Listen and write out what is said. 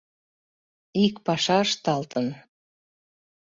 Ик паша ышталтын.